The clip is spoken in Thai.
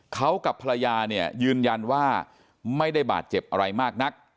เขากับภรรยาเนี่ยยืนยันว่าไม่ได้บาดเจ็บอะไรมากนัก